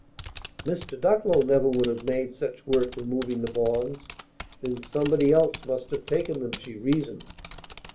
Mr. Ducklow never would have made such work, removing the bonds. Then somebody else must have taken them, she reasoned.